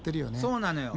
そうなのよ。